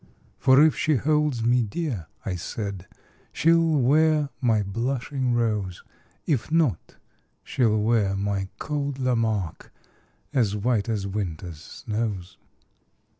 For if she holds me dear, I said, She'll wear my blushing rose; If not, she'll wear my cold Lamarque, As white as winter's snows.